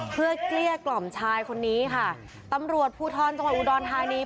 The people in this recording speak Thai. เพื่อเกลี้ยกล่อมชายคนนี้ค่ะตำรวจภูทรจังหวัดอุดรธานี